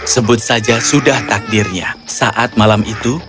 sebut saja sudah takdirnya saat malam itu